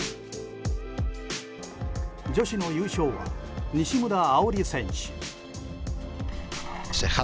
女子の優勝は西村碧莉選手。